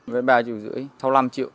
với ba triệu rưỡi sáu mươi năm triệu